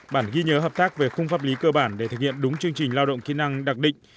bản ghi nhớ hợp tác về khung pháp lý cơ bản để thực hiện đúng chương trình lao động kỹ năng đặc định